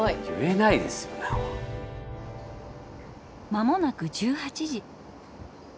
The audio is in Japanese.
間もなく１８時。